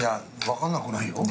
分かんなくないよ。